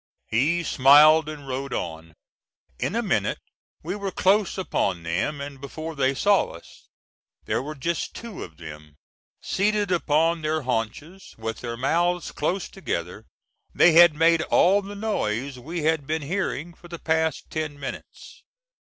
He smiled and rode on. In a minute we were close upon them, and before they saw us. There were just TWO of them. Seated upon their haunches, with their mouths close together, they had made all the noise we had been hearing for the past ten minutes.